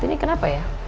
ini kenapa ya